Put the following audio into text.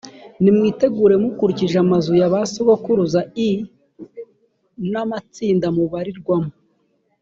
nimwitegure mukurikije amazu ya ba sokuruza i n amatsinda mubarirwamo